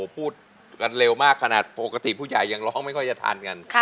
พูดกันเร็วมากขนาดปกติผู้ใหญ่ยังร้องไม่ค่อยจะทานกัน